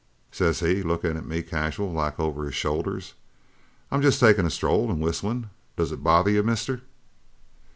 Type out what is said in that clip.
"Says he, lookin' at me casual like over his shoulder: 'I'm jest takin' a stroll an' whistlin'. Does it bother you, mister?'